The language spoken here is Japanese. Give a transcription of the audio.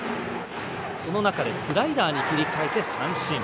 その中でスライダーに切り替えて三振。